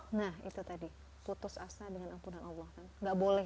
nah itu tadi putus asa dengan ampunan allah